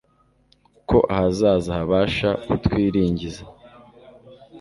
ko ahazaza habasha kutwiringiza